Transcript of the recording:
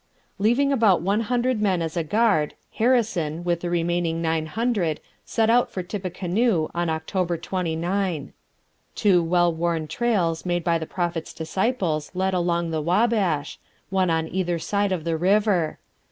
Leaving about one hundred men as a guard, Harrison, with the remaining nine hundred, set out for Tippecanoe on October 29. Two well worn trails made by the Prophet's disciples led along the Wabash, one on either side of the river.